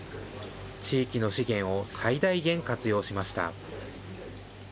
地域の資源を最大限活用しました。